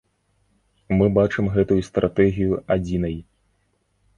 Мы бачым гэтую стратэгію адзінай.